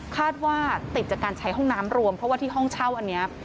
ว่าติดจากการใช้ห้องน้ำรวมเพราะว่าที่ห้องเช่าอันนี้